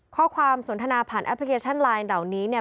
สนทนาผ่านแอปพลิเคชันไลน์เหล่านี้เนี่ย